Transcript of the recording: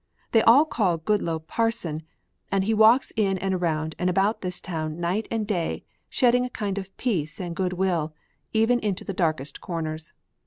They all call Mr. Goodloe 'Parson,' and he walks in and around and about this town night and day shedding a kind of peace and good will even into the darkest corners.